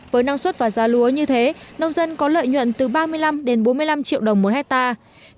với năng suất và giá lúa như thế nông dân có lợi nhuận từ ba mươi năm đến bốn mươi năm triệu đồng một hectare